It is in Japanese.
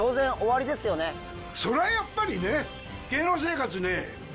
そりゃやっぱりね。